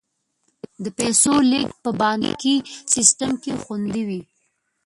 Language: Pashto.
د پیسو لیږد په بانکي سیستم کې خوندي وي.